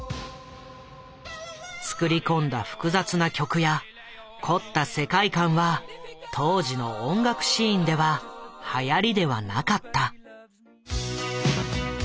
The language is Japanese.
つくり込んだ複雑な曲や凝った世界観は当時の音楽シーンでははやりではなかった。